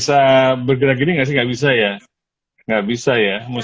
sesuai dengan weapons